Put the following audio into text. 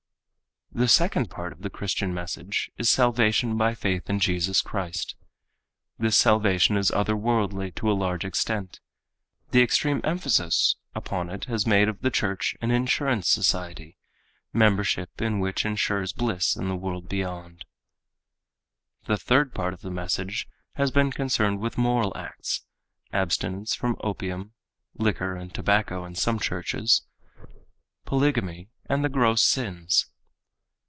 The second part of the Christian message is salvation by faith in Jesus Christ. This salvation is other worldly to a large extent. The extreme emphasis upon it has made of the church an insurance society, membership in which insures bliss in the world beyond. The third part of the message has been concerned with moral acts, abstinence from opium (liquor and tobacco in some churches), polygamy, and the gross sins.